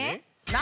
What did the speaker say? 何？